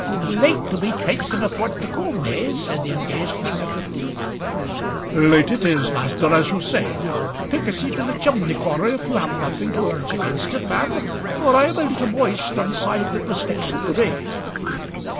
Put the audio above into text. "Late to be traipsing athwart this coomb hey?" said the engaged man of fifty. "Late it is, master, as you say. I'll take a seat in the chimney corner if you have nothing to urge against it, ma'am, for I am a little moist on the side that was next the rain."